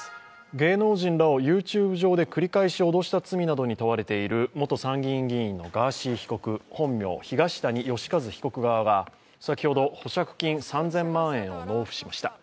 芸能人らをＹｏｕＴｕｂｅ上で繰り返し脅した罪などに問われている元参議院議員のガーシー被告、本名・東谷義和被告側が先ほど、保釈金３０００万円を納付しました。